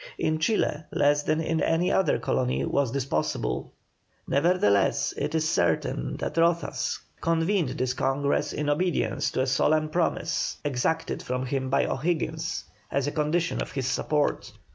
In Chile less than in any other colony was this possible; nevertheless it is certain that Rozas convened this Congress in obedience to a solemn promise exacted from him by O'Higgins as a condition of his support.